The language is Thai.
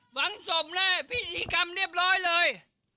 หวังสมที่พิษีกรรมเรียบร้อยเลย